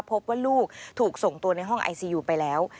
พบว่าลูกถูกส่งตัวในห้องไอซียูไปแล้ว